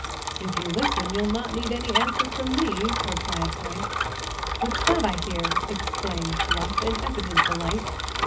"If you listen you'll not need any answer from me!" replied Frank. "What's that I hear?" exclaimed Bluff, in evident delight.